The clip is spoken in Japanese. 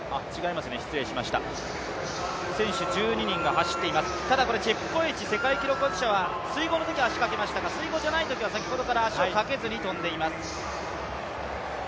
選手１２人が走っています、ただ、チェプコエチ、世界記録保持者は水濠のときは足をかけましたが、水濠ではないときは足をかけずに跳んでいます。